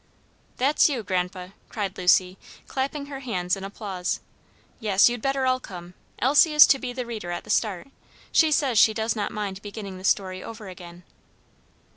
"That's you, grandpa!" cried Lucy, clapping her hands in applause. "Yes, you'd better all come, Elsie is to be the reader at the start; she says she does not mind beginning the story over again."